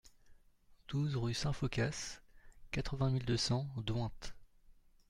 douze rue Saint-Phocas, quatre-vingt mille deux cents Doingt